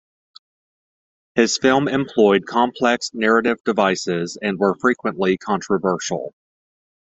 His film employed complex narrative devices and were frequently controversial.